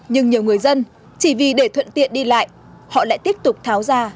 nhưng nhiều người dân chỉ vì để thuận tiện đi lại họ lại tiếp tục tháo ra